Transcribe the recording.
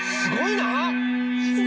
すごいなあ！